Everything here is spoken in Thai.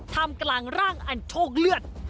ทำกลางร่างอันโชคเลือด